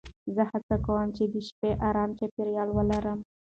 زه هڅه کوم چې د شپې ارام چاپېریال ولرم.